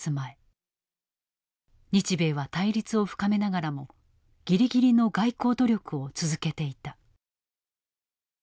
日米は対立を深めながらもぎりぎりの外交努力を続けていた。